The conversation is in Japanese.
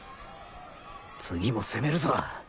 次も攻めるぞ。